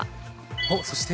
おっそして。